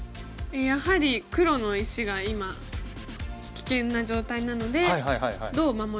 やはり黒の石が今危険な状態なのでどう守るかといった。